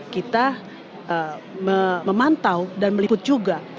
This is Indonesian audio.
kita memantau dan meliput juga